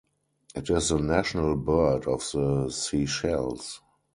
It is the national bird of the Seychelles.